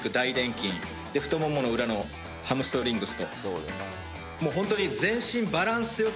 筋太ももの裏のハムストリングス。